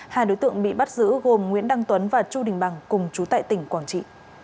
hai đối tượng bị bắt giữ gồm nguyễn đăng tuấn và chu đình bằng cùng chú tại tỉnh quảng trị